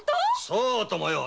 そうともよ。